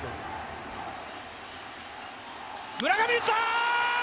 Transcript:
村上打った！